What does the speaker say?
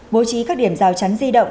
bố trí các điểm rào chắn di động